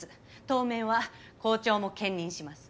当面は校長も兼任します。